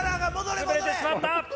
潰れてしまった！